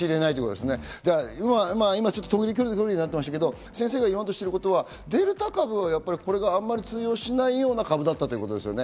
途切れ途切れになっていましたけど先生が言わんとしていることは、デルタ株はこれがあまり通用しないような株だったってことですね。